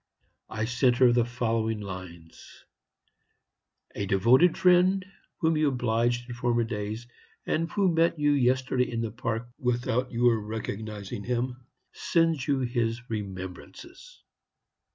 I sent her the following lines: 'A devoted friend, whom you obliged in former days, and who met you yesterday in the park without your recognizing him, sends you his remembrances.'